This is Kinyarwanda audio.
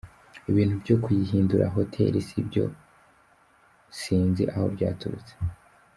Ibintu byo kuyihindura Hotel sibyo sinzi aho byaturutse.